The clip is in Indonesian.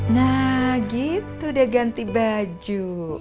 nah gitu dia ganti baju